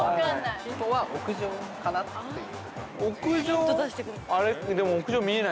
ヒントは、屋上かなっていう。